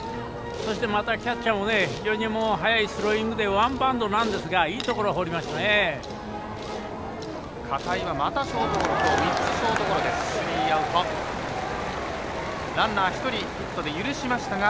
そして、またキャッチャーも非常に速いスローイングでワンバウンドなんですがいいところに放りましたね。